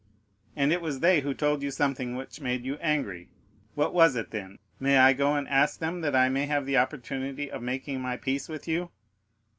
"And it was they who told you something which made you angry? What was it then? May I go and ask them, that I may have the opportunity of making my peace with you?"